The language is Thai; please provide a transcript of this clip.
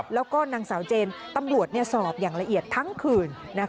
แล้วก็นางสาวเจนตำรวจสอบอย่างละเอียดทั้งคืน